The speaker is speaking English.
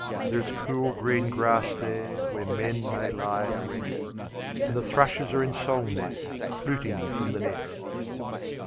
There is cool green grass there, where men may lie at rest, And the thrushes are in song there, fluting from the nest.